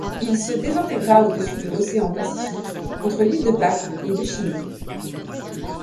Il se désintégra au-dessus de l'océan Pacifique entre l'Île de Pâques et le Chili.